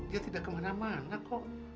dia tidak kemana mana kok